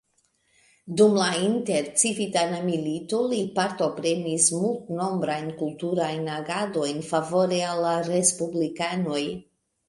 Dum la intercivitana milito li partoprenas multnombrajn kulturajn agadojn favore al la respublikanoj.